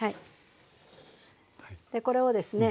これをですね